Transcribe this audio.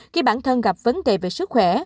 khi bản thân gặp vấn đề về sức khỏe